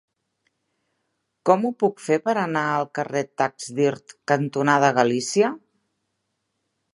Com ho puc fer per anar al carrer Taxdirt cantonada Galícia?